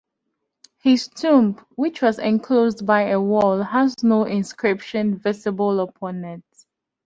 His tomb, which was enclosed by a wall has no inscription visible upon it.